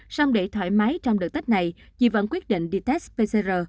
xong để thoải mái trong đợt tết này chị vẫn quyết định đi test pcr